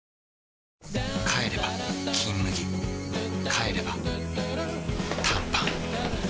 帰れば「金麦」帰れば短パン